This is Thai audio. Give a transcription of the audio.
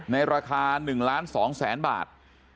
ในราคา๑๒๐๐๐๐๐บาท